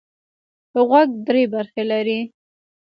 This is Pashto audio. غوږ درې برخې لري.